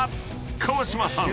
［川島さん